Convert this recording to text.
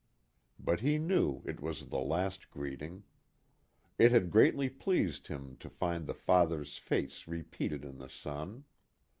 But he knew it was the last greeting. It had greatly pleased him to find the father's face repeated in the son.